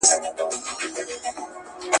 د شفافیت په صورت کي باور راځي.